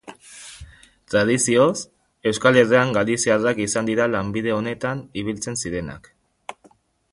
Tradizioz, Euskal Herrian galiziarrak izan dira lanbide honetan ibiltzen zirenak.